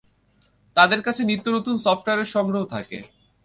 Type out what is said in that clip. তাদের কাছে নিত্য নতুন সফটওয়্যারের সংগ্রহ থাকে।